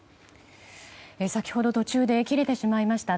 先ほど途中で切れてしまいました。